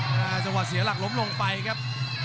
สวัสดีเสียหลักล้มลงไปครับ